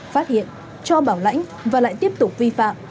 phát hiện cho bảo lãnh và lại tiếp tục vi phạm